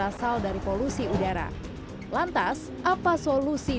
untuk bikung lokasi dan untuk di bali